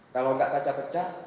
kalau enggak kaca pecah